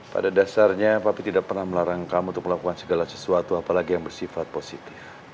pada dasarnya papi tidak pernah melarang kamu untuk melakukan segala sesuatu apalagi yang bersifat positif